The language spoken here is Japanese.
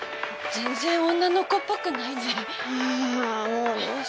全然女の子っぽくないね。